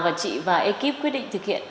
và chị và ekip quyết định thực hiện